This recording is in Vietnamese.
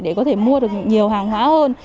để có thể mua được nhiều hàng hóa hơn